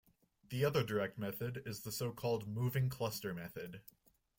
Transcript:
The other direct method is the so-called moving cluster method.